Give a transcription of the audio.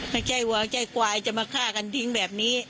ใกล้ใจหวังใกล้ใจกวายจะมาฆ่ากันทิ้งแบบนี้